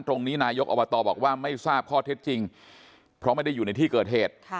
นายกอบตบอกว่าไม่ทราบข้อเท็จจริงเพราะไม่ได้อยู่ในที่เกิดเหตุ